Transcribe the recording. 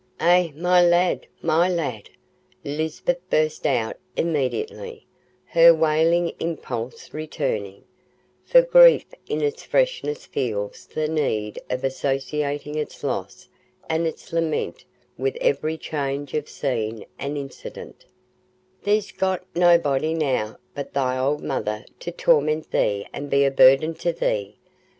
"Eh, my lad, my lad!" Lisbeth burst out immediately, her wailing impulse returning, for grief in its freshness feels the need of associating its loss and its lament with every change of scene and incident, "thee'st got nobody now but thy old mother to torment thee and be a burden to thee.